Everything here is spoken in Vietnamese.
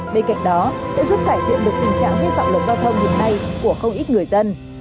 bên cạnh đó sẽ giúp cải thiện được tình trạng vi phạm luật giao thông hiện nay của không ít người dân